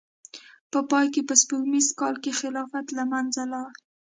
په پای کې په سپوږمیز کال کې خلافت له منځه لاړ.